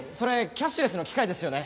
キャッシュレスの機械ですよね？